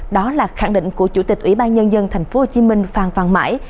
đó là khẳng định của chủ tịch ủy ban nhân dân tp hcm phan văn mãi